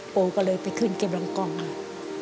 ปู่ก็เลยไปขึ้นเก็บรองกองมา